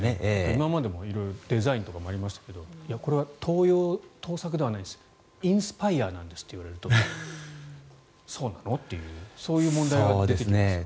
今までもデザインとかもありましたけどこれは盗作ではないんですインスパイアなんですと言われるとそうなの？っていうそういう問題が出てきますよね。